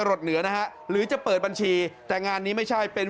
หดเหนือนะฮะหรือจะเปิดบัญชีแต่งานนี้ไม่ใช่เป็น